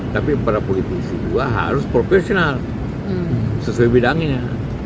tapi para politisi juga harus profesional sesuai bidangnya